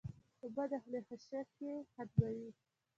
اوبه د خولې خشکي ختموي